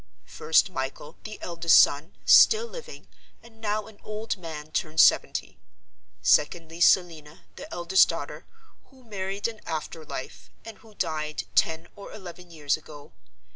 First, Michael, the eldest son, still living, and now an old man turned seventy. Secondly, Selina, the eldest daughter, who married in after life, and who died ten or eleven years ago.